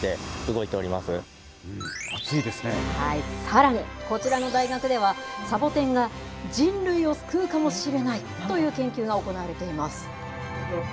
さらに、こちらの大学では、サボテンが人類を救うかもしれないという研究が行われています。